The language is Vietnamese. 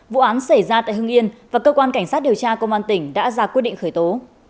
vụ án xảy ra tại hưng yên và cơ quan cảnh sát điều tra công an tỉnh đã ra quyết định khởi tố